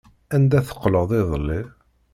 Anda teqqleḍ iḍelli?